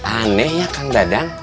aneh ya kang dadang